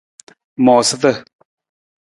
Moosata.